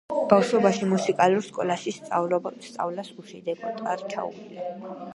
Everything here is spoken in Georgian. ბავშვობაში, მუსიკალურ სკოლაში სწავლას უშედეგოდ არ ჩაუვლია.